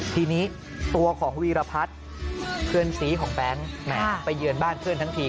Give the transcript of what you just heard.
ทีนี้ตัวของวีรพัฒน์เพื่อนซีของแบงค์แหมไปเยือนบ้านเพื่อนทั้งที